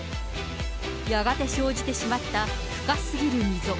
やがて生じてしまった深すぎる溝。